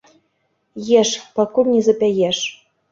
Еш, пакуль не запяеш.